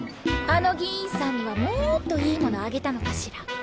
あの議員さんにはもっといいものあげたのかしら？